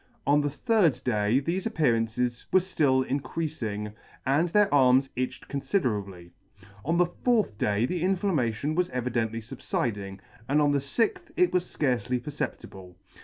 On the third day thefe appearances were {till increafing and their arms itched confiderably. On the fourth day the inflammation was evidently fubfiding, and on the fixth it was fcarcely perceptible.